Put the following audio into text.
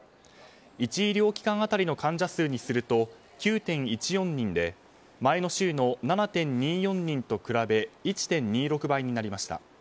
１医療機関当たりの患者数にすると９．１４人で前の週の７．２４人と比べ１．２６倍になりました。